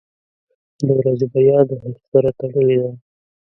• د ورځې بریا د هڅو سره تړلې ده.